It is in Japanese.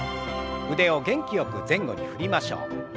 腕を元気よく前後に振りましょう。